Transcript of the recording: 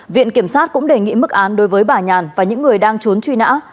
viện kiểm sát cũng đề nghị mức án đối với bà nhàn và những người đang trốn truy nã